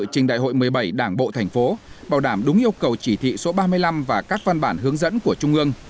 trên đại hội một mươi bảy đảng bộ thành phố bảo đảm đúng yêu cầu chỉ thị số ba mươi năm và các văn bản hướng dẫn của trung ương